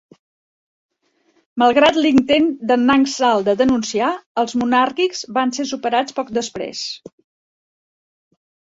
Malgrat l"intent de"n Langsale de denunciar, els monàrquics van ser superats poc després.